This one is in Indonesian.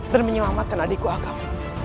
dan menyelamatkan adikku agam